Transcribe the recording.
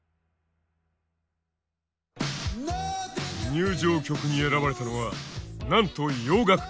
入場曲に選ばれたのはなんと洋楽！